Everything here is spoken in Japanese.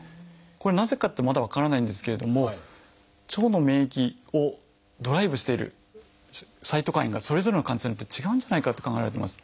これなぜかってまだ分からないんですけれども腸の免疫ドライブしているサイトカインがそれぞれの患者さんによって違うんじゃないかって考えられてます。